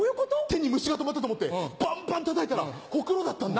手に虫が止まったと思ってバンバンたたいたらホクロだったの。